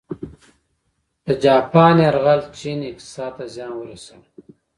د جاپان یرغل چین اقتصاد ته زیان ورساوه.